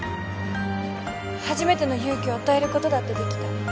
初めての勇気を与えることだってできた。